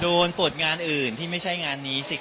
โดนตรวจงานอื่นที่ไม่ใช่งานนี้สิครับ